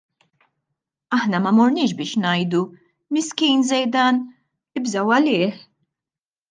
Aħna ma morniex biex ngħidu: Miskin Zeidan, ibżgħu għalih!